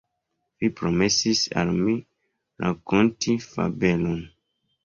Vi promesis al mi rakonti fabelon.